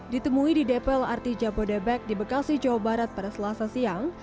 ditemui di dpl art jabodebek di bekasi jawa barat pada selasa siang